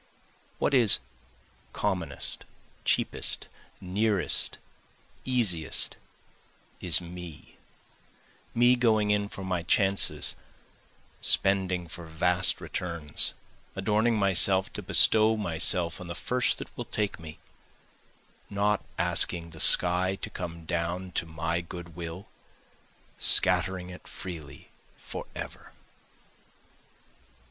What is commonest, cheapest, nearest, easiest, is Me, Me going in for my chances, spending for vast returns, Adorning myself to bestow myself on the first that will take me, Not asking the sky to come down to my good will, Scattering it freely forever.